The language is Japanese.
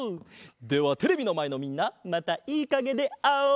ではテレビのまえのみんなまたいいかげであおう！